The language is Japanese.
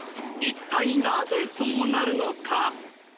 一体なぜそうなるのか？